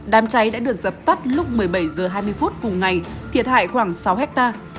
đám cháy đã được dập tắt lúc một mươi bảy h hai mươi phút cùng ngày thiệt hại khoảng sáu hectare